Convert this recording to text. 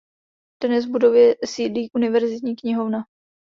Dnes v budově sídlí Univerzitní knihovna.